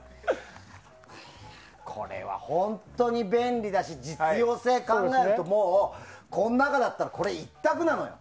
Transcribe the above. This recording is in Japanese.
これは本当に便利だし実用性を考えるともう、この中だったらこれ１択なのよ。